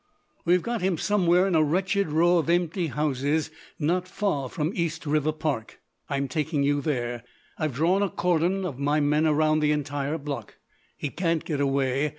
"We've got him somewhere in a wretched row of empty houses not far from East River Park. I'm taking you there. I've drawn a cordon of my men around the entire block. He can't get away.